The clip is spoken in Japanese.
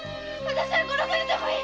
私は殺されてもいい。